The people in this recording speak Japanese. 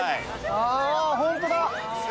あぁホントだ！